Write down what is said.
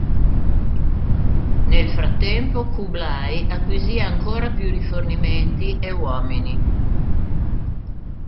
Nel frattempo, Kublai acquisì ancora più rifornimenti e uomini.